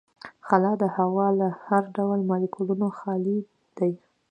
خلا د هوا له هر ډول مالیکولونو خالي ده.